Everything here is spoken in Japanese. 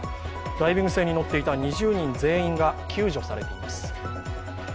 ダイビング船に乗った２０人全員が救助されました。